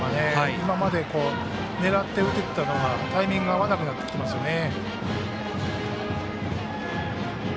今まで狙って打てていたのがタイミング合わなくなってきてますよね。